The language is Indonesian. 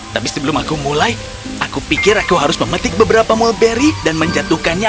tapi sebelum aku mulai aku pikir aku harus memetik beberapa mulberry dan menjatuhkannya